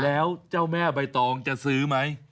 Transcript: แล้วเจ้าแม่ใบตองจะซื้อไหม